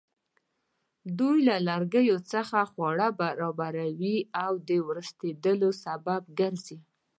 دوی له لرګیو څخه خواړه برابروي او د ورستېدلو سبب ګرځي.